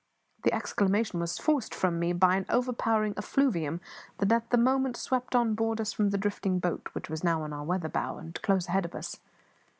The exclamation was forced from me by an overpowering effluvium that at the moment swept on board us from the drifting boat, which was now on our weather bow, and close aboard of us.